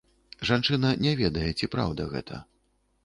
Жанчына не ведае, ці праўда гэта.